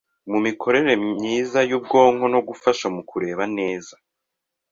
mu mikorere myiza y’ubwonko no gufasha mu kureba neza